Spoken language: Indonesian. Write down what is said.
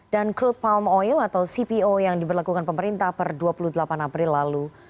dan crude palm oil atau cpo yang diberlakukan pemerintah per dua puluh delapan april lalu